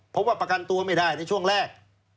เพราะว่าประกันตัวไม่ได้ในช่วงแรก